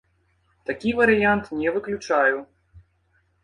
Такі варыянт не выключаю.